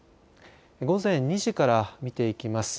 午前２時から見ていきます。